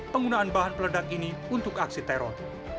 penggunaan bahan peledak ini untuk aksi teror